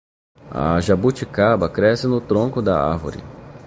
A jabuticaba cresce no tronco da árvore.